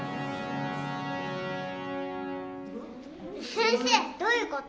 先生どういうこと？